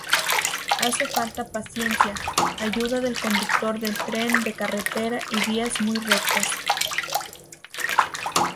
Hace falta paciencia, ayuda del conductor del tren de carretera y vías muy rectas.